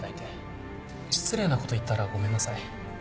失礼なこと言ったらごめんなさい。